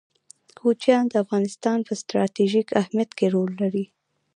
کوچیان د افغانستان په ستراتیژیک اهمیت کې رول لري.